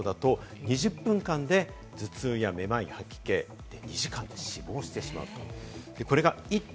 ０．１６％だと２０分間で頭痛や、めまい、吐き気、２時間で死亡してしまいます。